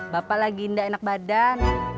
bapak lagi tidak enak badan